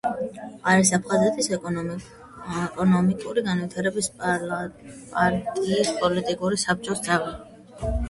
არის აფხაზეთის ეკონომიკური განვითარების პარტიის პოლიტიკური საბჭოს წევრი.